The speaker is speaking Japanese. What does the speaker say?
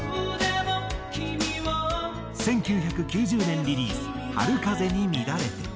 １９９０年リリース『春風に乱れて』。